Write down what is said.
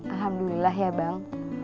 alhamdulillah ya bang